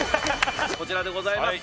こちらでございます